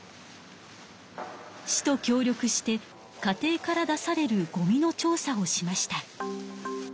市と協力して家庭から出されるゴミの調査をしました。